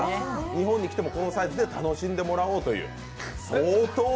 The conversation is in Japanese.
日本に来てもこのサイズで楽しんでもらおうという。